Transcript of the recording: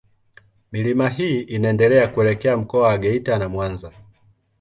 Milima hii inaendelea kuelekea Mkoa wa Geita na Mwanza.